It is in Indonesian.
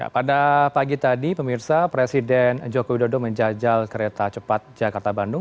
pada pagi tadi pemirsa presiden joko widodo menjajal kereta cepat jakarta bandung